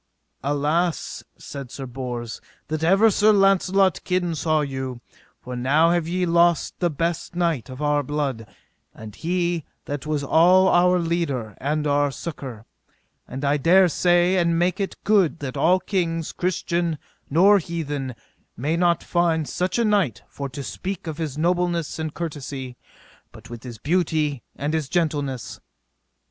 Alas, said Sir Bors, that ever Sir Launcelot's kin saw you, for now have ye lost the best knight of our blood, and he that was all our leader and our succour; and I dare say and make it good that all kings, christian nor heathen, may not find such a knight, for to speak of his nobleness and courtesy, with his beauty and his gentleness.